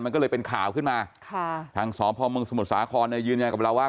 มันก็เลยเป็นข่าวขึ้นมาทาง๒พมสมุทรสาควรยืนอยากบอกว่า